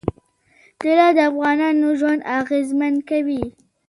طلا د افغانانو ژوند اغېزمن کوي.